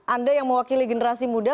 anda yang mewakili generasi muda